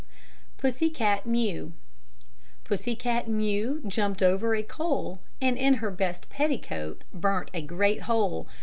PUSSY CAT MEW Pussy cat Mew jumped over a coal, And in her best petticoat burnt a great hole.